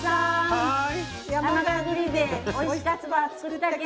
はい。